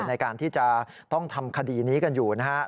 ในการที่จะต้องทำคดีนี้กันอยู่นะครับ